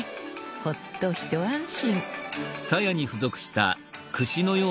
ほっと一安心。